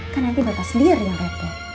kan nanti bapak sendiri yang repot